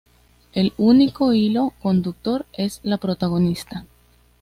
El único hilo conductor es la protagonista.